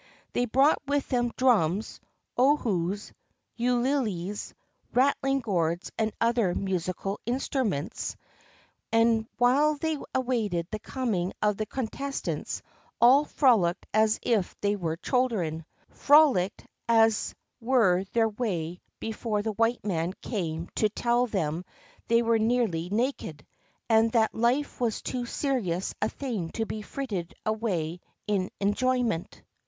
They brought with them drums, ohes, ulilis, rattling gourds, and other musical instru 521 ISLANDS OF THE PACIFIC ments, and while they awaited the coming of the con testants, all frolicked as if they were children — frol icked as was their way before the white man came to tell them they were nearly naked, and that life was too serious a thing to be frittered away in enjoyment.